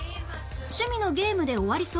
「趣味のゲームで終わりそう」